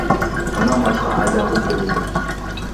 Андан башка айлабыз деле жок.